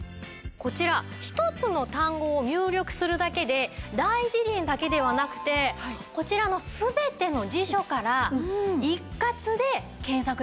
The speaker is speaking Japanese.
こちら一つの単語を入力するだけで『大辞林』だけではなくてこちらの全ての辞書から一括で検索できるんです。